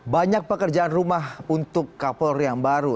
banyak pekerjaan rumah untuk kapolri yang baru